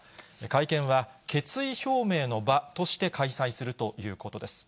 会見は決意表明の場として開催するということです。